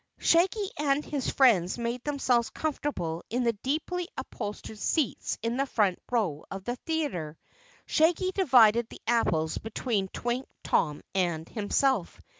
Shaggy and his friends made themselves comfortable in the deeply upholstered seats in the front row of the theater. Shaggy divided the apples between Twink, Tom, and himself.